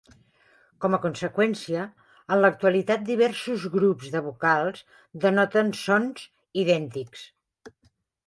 Com a conseqüència, en l'actualitat diversos grups de vocals denoten sons idèntics.